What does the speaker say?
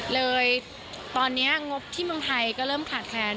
เลยตอนนี้งบที่เมืองไทยก็เริ่มขาดแคลน